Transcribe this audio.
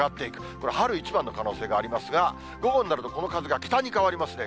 これ、春一番の可能性がありますが、午後になると、この風が北に変わりますね。